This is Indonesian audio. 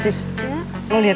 eh sis lo liat nadia gak